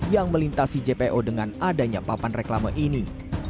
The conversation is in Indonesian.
yang melintasi jpo dengan adanya papan reklama ini